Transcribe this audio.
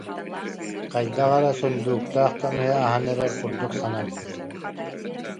Хайдах эрэ сундууктаах көмүһү аһан эрэр курдук сананна